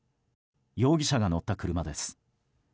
容疑者が乗った車です。